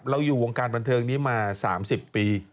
อยู่วงการบันเทิงนี้มา๓๐ปี